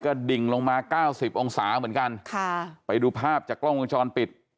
ก็ดิ่งลงมาเก้าสิบองศาเหมือนกันค่ะไปดูภาพจากกล้องวงจรปิด